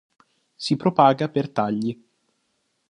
Si propaga per tagli.